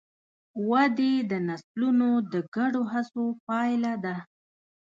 ودې د نسلونو د ګډو هڅو پایله ده.